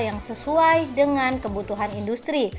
yang sesuai dengan kebutuhan industri